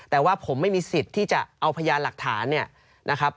แต่ว่าผมไม่มีสิทธิ์ที่จะเอาพยานหลักฐาน